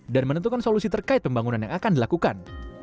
dan menentukan solusi terkait pembangunan yang akan dilakukan